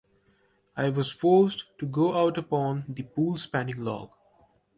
I was forced to go out upon the pool-spanning log.